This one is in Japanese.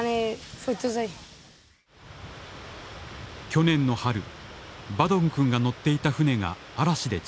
去年の春バドンくんが乗っていた船が嵐で沈没。